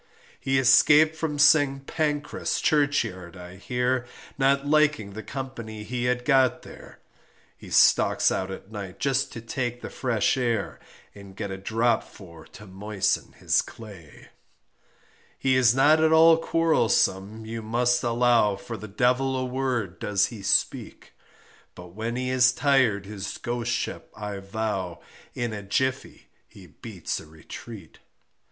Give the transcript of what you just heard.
He escaped from St. Pancras churchyard I hear, Not liking the company he had got there, He stalks out at night just to take the fresh air, And get a drop for to moisten his clay; He is not at all quarrelsome you must allow For the devil a word does he speak, But when he is tired his Ghostship I vow In a jiffey he beats a retreat.